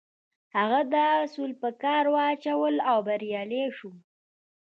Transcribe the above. هغه دا اصول په کار واچول او بريالی شو.